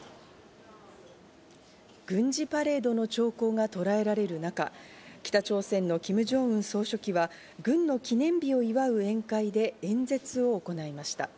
軍事パレードの兆候がとらえられる中、北朝鮮のキム・ジョンウン総書記は軍の記念日を祝う宴会で演説を行いました。